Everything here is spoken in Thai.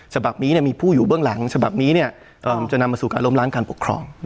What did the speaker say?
ฉบับนี้มีผู้อยู่เบื้องหลังฉบับนี้จะนำมาสู่การล้มล้างการปกครอง